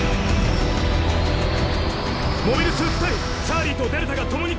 モビルスーツ隊チャーリーとデルタがともに壊滅。